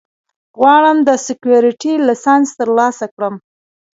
غواړم د سیکیورټي لېسنس ترلاسه کړم